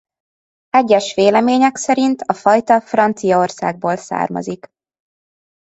Egyes vélemények szerint a fajta Franciaországból származik.